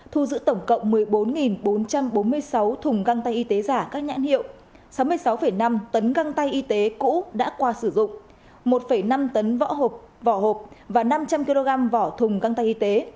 thu giữ tổng cộng một mươi bốn bốn trăm bốn mươi sáu thùng găng tay y tế giả các nhãn hiệu sáu mươi sáu năm tấn găng tay y tế cũ đã qua sử dụng một năm tấn võ hộp vỏ hộp và năm trăm linh kg vỏ thùng găng tay y tế